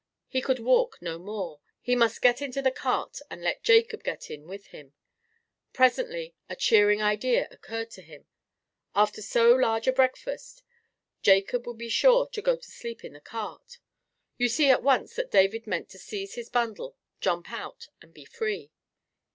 He could walk no more: he must get into the cart and let Jacob get in with him. Presently a cheering idea occurred to him: after so large a breakfast, Jacob would be sure to go to sleep in the cart; you see at once that David meant to seize his bundle, jump out, and be free.